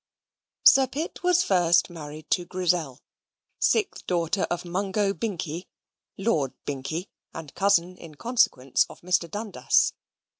Sir Pitt was first married to Grizzel, sixth daughter of Mungo Binkie, Lord Binkie, and cousin, in consequence, of Mr. Dundas.